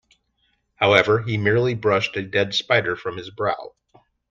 However, he merely brushed a dead spider from his brow.